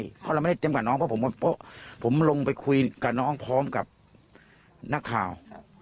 เพราะเราไม่ได้เต็มกับน้องเพราะผมลงไปคุยกับน้องพร้อมกับนักข่าว